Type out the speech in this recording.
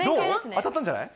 当たったんじゃない？